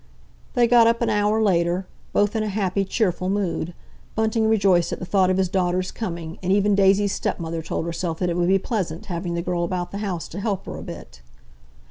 They got up an hour later, both in a happy, cheerful mood. Bunting rejoiced at the thought of his daughter's coming, and even Daisy's stepmother told herself that it would be pleasant having the girl about the house to help her a bit.